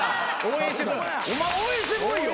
お前応援してこいよ。